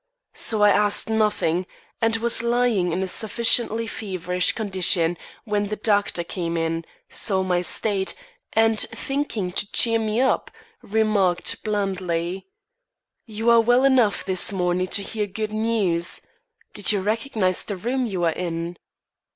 So I asked nothing, and was lying in a sufficiently feverish condition when the doctor came in, saw my state, and thinking to cheer me up, remarked blandly: "You are well enough this morning to hear good news. Do you recognise the room you are in?"